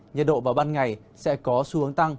nhiệt độ vào ban ngày sẽ có xu hướng tăng